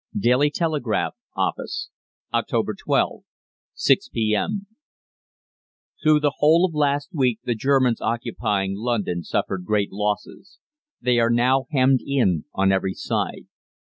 "'DAILY TELEGRAPH' OFFICE, "Oct. 12, 6 P.M. "Through the whole of last week the Germans occupying London suffered great losses. They are now hemmed in on every side.